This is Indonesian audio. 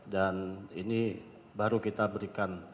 dan ini baru kita berikan